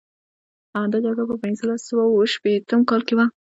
دا جګړه په پنځلس سوه او شپږویشتم کال کې وه.